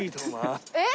えっ？